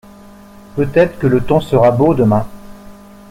Peut-être que le temps sera beau demain.